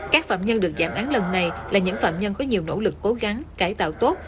các phạm nhân được giảm án lần này là những phạm nhân có nhiều nỗ lực cố gắng cải tạo tốt